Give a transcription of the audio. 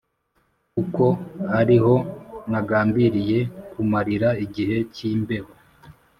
kuko ari ho nagambiriye kumarira igihe cy’imbeho.